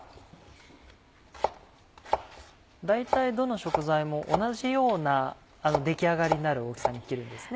大体どの食材も同じような出来上がりになる大きさに切るんですね。